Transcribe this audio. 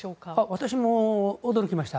私も驚きました。